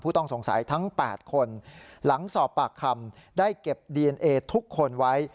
ต้องสงสัยทั้ง๘คนหลังสอบปากคำได้เก็บดีเอนเอทุกคนไว้